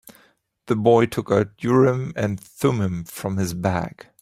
The boy took out Urim and Thummim from his bag.